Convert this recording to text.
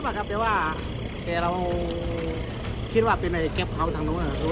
แต่เราคิดว่าเป็นไอ้เก็บเผาทางโน้น